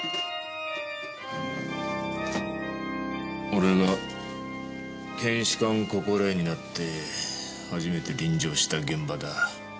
俺が検視官心得になって初めて臨場した現場だ。